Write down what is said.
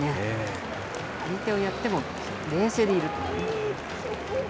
張り手をやっても冷静でいる。